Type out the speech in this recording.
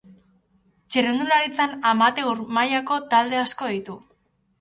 Txirrindularitzan amateur mailako talde asko ditu.